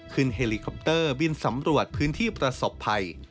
เฮลิคอปเตอร์บินสำรวจพื้นที่ประสบภัย